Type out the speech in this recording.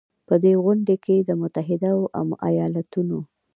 په دې غونډې کې د متحدو ایالتونو